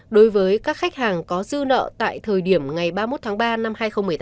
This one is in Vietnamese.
đối với các khách hàng có dư nợ tại thời điểm ngày ba mươi một tháng ba năm hai nghìn một mươi tám